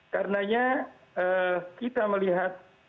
karenanya kita melihat